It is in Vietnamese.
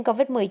của người lớn